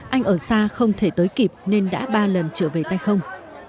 anh ở xa không thể tới kịp nên đã ba lần trở về tay không